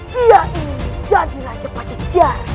dia ingin menjadilah jepat jejak